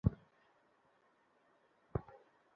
এক্ষুনি বাবাকে বলছি।